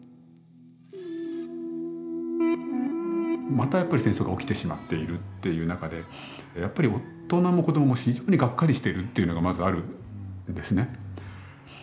またやっぱり戦争が起きてしまっているっていう中でやっぱり大人も子どもも非常にガッカリしてるっていうのがまずあるんですね。